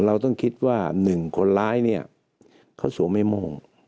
เราต้องคิดว่า๑คนร้ายเขาสวมไม่มอง